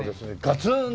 「ガツーン」。